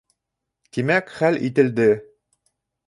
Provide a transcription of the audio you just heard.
Тимәк, хәл ителде